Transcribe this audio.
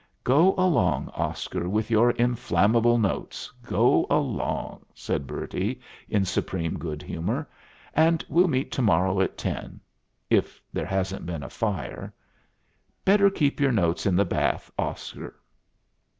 "Go along, Oscar, with your inflammable notes, go along!" said Bertie, in supreme good humor. "And we'll meet to morrow at ten if there hasn't been a fire Better keep your notes in the bath, Oscar."